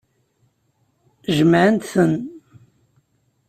Jemɛent-ten.